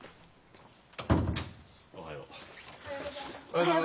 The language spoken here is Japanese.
おはよう。